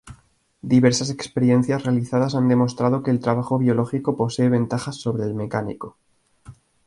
Diversas experiencias realizadas han demostrado que el trabajo biológico posee ventajas sobre el mecánico.